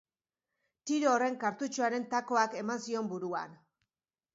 Tiro horren kartutxoaren takoak eman zion buruan.